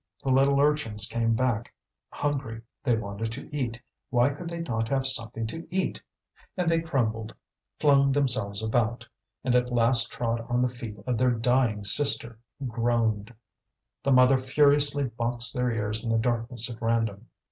The little urchins came back hungry, they wanted to eat; why could they not have something to eat? And they grumbled, flung themselves about, and at last trod on the feet of their dying sister, who groaned. The mother furiously boxed their ears in the darkness at random.